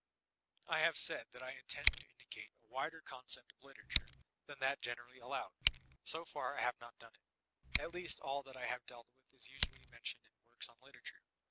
I have said that I intended to indicate a wider concept of literature than that generally allowed. So far I have not done it; at least all that I have dealt with is usually mentioned in worics on literature.